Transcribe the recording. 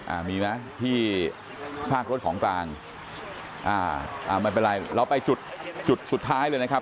อ่ามีไหมที่ซากรถของกลางอ่าอ่าไม่เป็นไรเราไปจุดจุดสุดท้ายเลยนะครับ